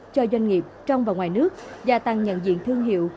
cho doanh nghiệp trong và ngoài nước gia tăng nhận diện thương hiệu